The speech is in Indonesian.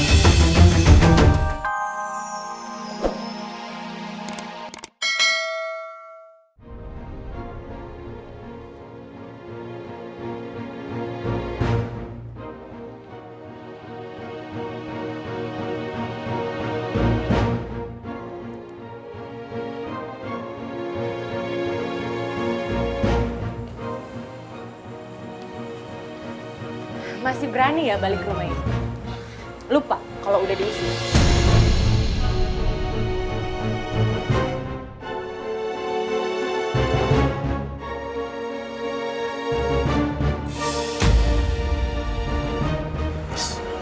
kalau udah diisi